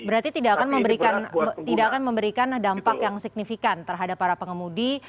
berarti tidak akan memberikan dampak yang signifikan terhadap para pengemudi